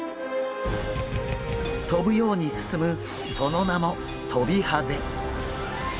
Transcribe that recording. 跳ぶように進むその名もトビハゼ。